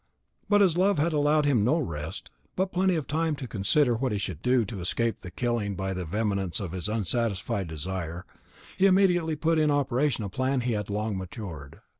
But as love had allowed him no rest, but plenty of time to consider what he should do to escape being killed by the vehemence of his unsatisfied desire, he immediately put in operation a plan he had long matured.